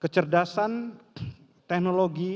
kecerdasan teknologi indonesia